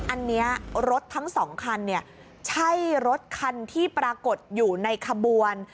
อันนี้รถทั้งสองคันเนี่ยใช่รถคันที่ปรากฏอยู่ในขบวน